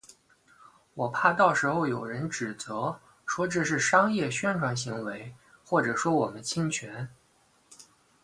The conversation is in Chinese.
我怕到时候有人指责，说这是商业宣传行为或者说我们侵权